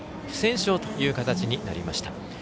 不戦勝という形になりました。